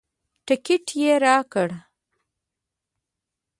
ټکټ یې راکړ.